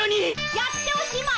やっておしまい！